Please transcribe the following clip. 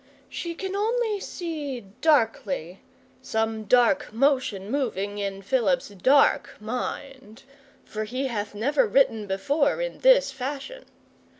She can only see darkly some dark motion moving in Philip's dark mind, for he hath never written before in this fashion.